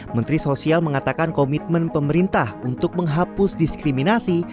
menteri sosial mengatakan komitmen pemerintah untuk menghapus diskriminasi